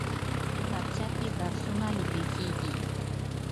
کتابچه کې درسونه لیکل کېږي